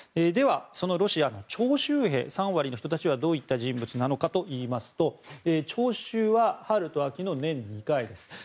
では、そのロシアの徴集兵３割の人たちはどういった人物なのかといいますと徴集は春と秋の年２回です。